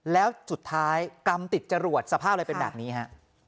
แล้วสุดท้ายกรรมติดจรวดสภาพเลยเป็นแบบนี้ฮะ